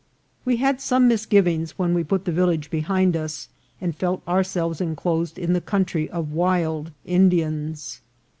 We had some misgivings when we put the village behind us, and felt ourselves enclosed in the country of wild Indians.